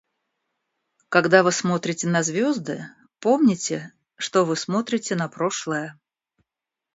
Когда вы смотрите на звезды, помните, что вы смотрите на прошлое.